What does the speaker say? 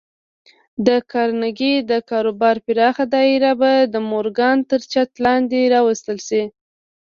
د کارنګي د کاروبار پراخه دايره به د مورګان تر چت لاندې راوستل شي.